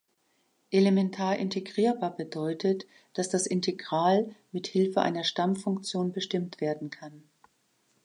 Elementar integrierbar bedeutet, dass das Integral mit Hilfe einer Stammfunktion bestimmt werden kann.